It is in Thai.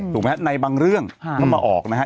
ถูกมั้ยฮะในบางเรื่องเขามาออกนะฮะ